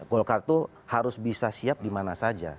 golkar itu harus bisa siap dimana saja